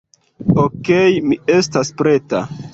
Okej, mi estas preta